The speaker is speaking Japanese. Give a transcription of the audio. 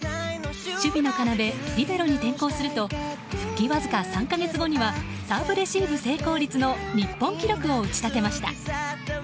守備の要、リベロに転向すると復帰わずか３か月後にはサーブレシーブ成功率の日本記録を打ち立てました。